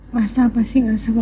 masa pasti gak suka